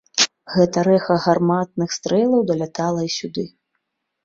Гэта рэха гарматных стрэлаў далятала сюды.